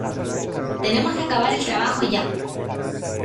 Tenemos que acabar el trabajo ya.